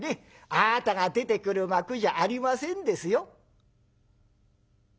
あなたが出てくる幕じゃありませんですよ」。